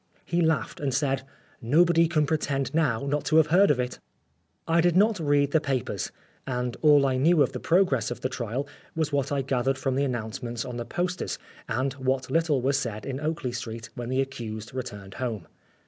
He laughed and said, " Nobody can pretend now not to have heard of it." I did not read the papers, and all I knew of the progress of the trial was what I gathered from the announcements on the posters and what little was said in Oakley Street when the accused returned home.